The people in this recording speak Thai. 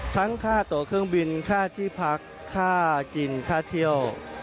ค่าตัวเครื่องบินค่าที่พักค่ากินค่าเที่ยว